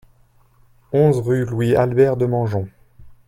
onze rue Louis Albert Demangeon